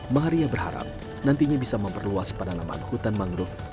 maheriah berharap nantinya bisa memperluas padanan mangrove